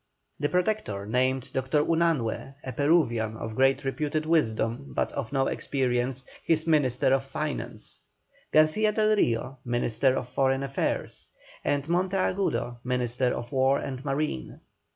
The Protector named Dr. Unanue, a Peruvian of great reputed wisdom but of no experience, his Minister of Finance; Garcia del Rio, Minister of Foreign Affairs; and Monteagudo, Minister of War and Marine.